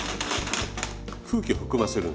空気を含ませる。